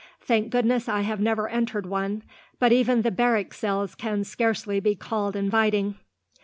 Thank goodness I have never entered one; but even the barrack cells can scarcely be called inviting."